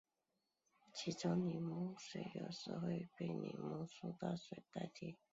其中柠檬水有时会被柠檬苏打水代替。